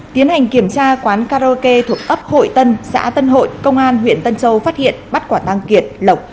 tiến hành kiểm tra quán karaoke thuộc ấp hội tân xã tân hội công an huyện tân châu phát hiện bắt quả tăng kiệt lộc